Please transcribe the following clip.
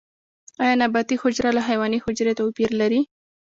ایا نباتي حجره له حیواني حجرې توپیر لري؟